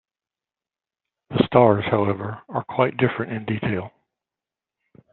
The stars, however, are quite different in detail.